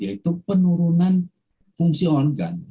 yaitu penurunan fungsi organ